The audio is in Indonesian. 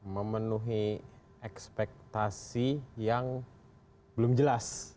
memenuhi ekspektasi yang belum jelas